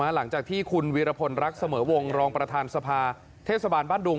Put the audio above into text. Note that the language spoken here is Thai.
หลังจากที่คุณวีรพลรักเสมอวงรองประธานสภาเทศบาลบ้านดุง